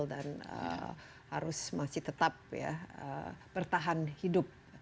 dan harus masih tetap ya bertahan hidup